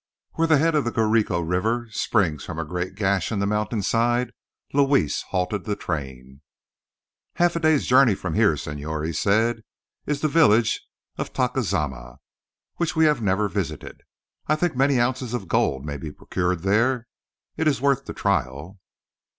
Where the head of the Guarico River springs from a great gash in the mountain side, Luis halted the train. "Half a day's journey from here, Señor," said he, "is the village of Tacuzama, which we have never visited. I think many ounces of gold may be procured there. It is worth the trial."